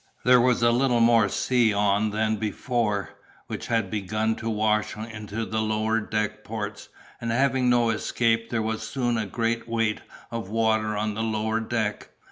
There was a little more sea on than before, which had begun to wash into the lower deck ports, and having no escape there was soon a good weight of water on the lower deck.